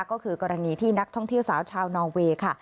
ก็คือกรณีที่นักท่องเที่ยวสาวชาวนอเวย์ค่ะ